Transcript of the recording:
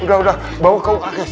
udah udah bawa ke uks